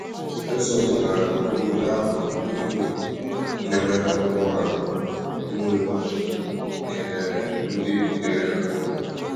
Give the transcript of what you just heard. eze ọdịnala obodo ahụ bụ Igwe Nnaemeka Nworah-Muolokwu kelere ndị butere ha